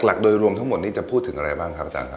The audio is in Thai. หลักโดยรวมทั้งหมดนี้จะพูดถึงอะไรบ้างครับอาจารย์ครับ